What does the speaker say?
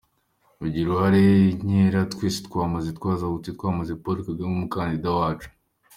Mugire uruhare igihe nikigera cyo kwamamaza, twese hamwe tuzahaguruke twamamaze Paul Kagame, umukandida wacu.